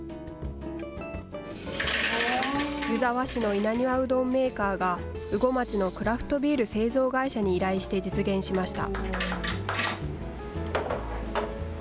湯沢市の稲庭うどんメーカーが羽後町のクラフトビール製造会社に依頼して実現しました。